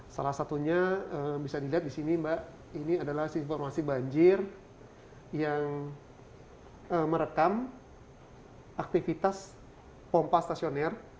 salah satunya bisa dilihat di sini mbak ini adalah informasi banjir yang merekam aktivitas pompa stasioner